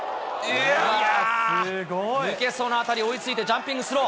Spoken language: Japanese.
抜けそうな当たり追いついてジャンピングスロー。